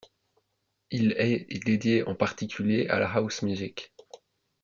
Il est et dédié en particulier à la house music.